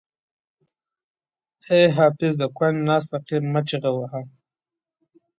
ای حافظ د کونج ناست فقیر مه چیغه وهه.